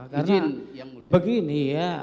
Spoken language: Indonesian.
karena begini ya